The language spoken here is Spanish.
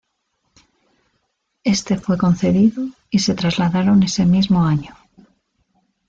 Este fue concedido y se trasladaron ese mismo año.